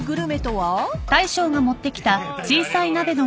はい。